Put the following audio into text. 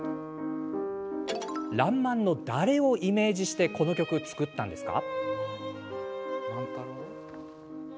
「らんまん」の誰をイメージしてこの曲を作ったんですか？